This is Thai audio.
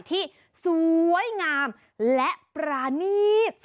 ที่สวยงามและปรานีต